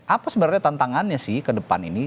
apa sebenarnya tantangannya sih ke depan ini